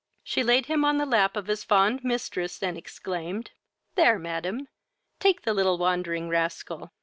She laid him on the lap of his fond mistress, and exclaimed, "There, madam, take the little wandering rascal.